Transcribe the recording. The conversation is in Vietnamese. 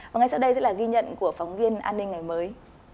và ngay sau đây sẽ là ghi nhận của phóng viên an ninh ngày mới